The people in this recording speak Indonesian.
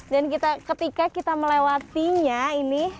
dan ketika kita melewatinya ini